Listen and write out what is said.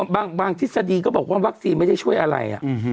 บางทีทฤษฎีก็บอกว่าวัคซีนไม่ได้ช่วยอะไร